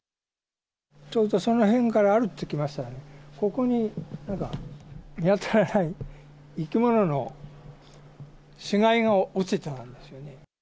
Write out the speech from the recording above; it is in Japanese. ちょうどその辺から歩いてきましたらね、ここに見当たらない生き物の死骸が落ちてたんですよね。